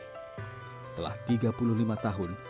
setelah tiga puluh lima tahun